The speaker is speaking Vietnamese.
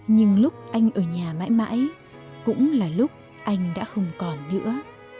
nhưng lúc anh ở nhà mãi mãi cũng là lúc anh đã không còn nữa